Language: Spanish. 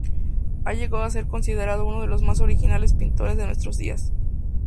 Ha llegado a ser considerado uno de los más originales pintores de nuestros días.